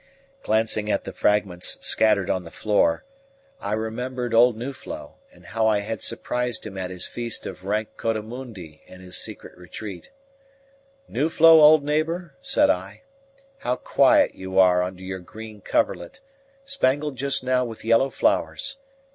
Glancing at the fragments scattered on the floor, I remembered old Nuflo, and how I had surprised him at his feast of rank coatimundi in his secret retreat. "Nuflo, old neighbour," said I, "how quiet you are under your green coverlet, spangled just now with yellow flowers!